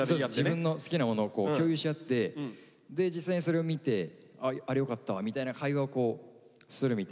自分の好きなものを共有し合ってで実際にそれを見て「あれ良かったわ」みたいな会話をこうするみたいな。